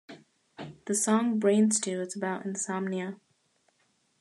The song "Brain Stew" is about insomnia.